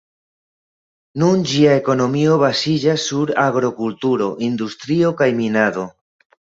Nun ĝia ekonomio baziĝas sur agrokulturo, industrio kaj minado.